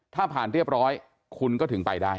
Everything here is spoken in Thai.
ถ้าผ่านเรียบร้อยคุณก็ถึงไปได้